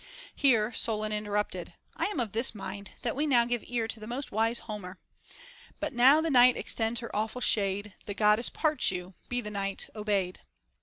Here Solon interrupted : I am of this mind, that we now give ear to the most wise Homer, — But now the night extends her awful shade : The Goddess parts you : be the night obeyed.